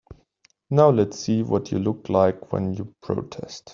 Now let's see what you look like when you protest.